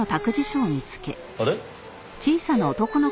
あれ？